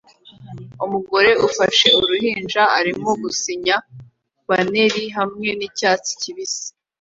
Umugore ufashe uruhinja arimo gusinya banneri hamwe nicyatsi kibisi